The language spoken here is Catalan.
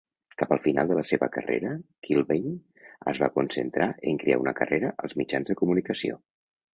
Cap al final de la seva carrera Kilbane es va concentrar en crear una carrera als mitjans de comunicació.